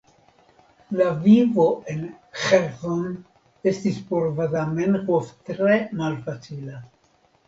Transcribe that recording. La vivo en Ĥerson estis por Zamenhof tre malfacila.